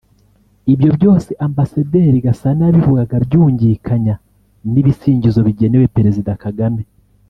Ibyo byose Ambasaderi Gasana yabivugaga abyungikanya n’ibisingizo bigenewe Perezida Kagame